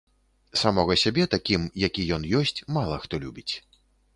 Самога сябе такім, які ён ёсць, мала хто любіць.